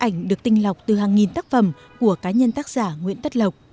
hai ảnh được tinh lọc từ hàng nghìn tác phẩm của cá nhân tác giả nguyễn tất lộc